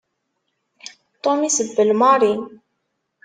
Tom isebbel Mary.